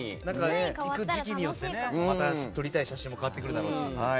時期によって撮りたい写真も変わってくるだろうし。